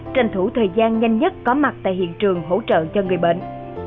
tranh thủ thời gian nhanh nhất có mặt tại hiện trường hỗ trợ cho người bệnh